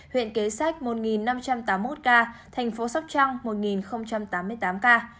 huyện kế sách một năm trăm tám mươi một ca thành phố sóc trăng một năm trăm tám mươi một ca